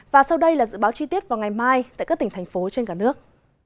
và sau đây là dự báo chi tiết vào ngày mai tại các tỉnh thành phố trên cả nước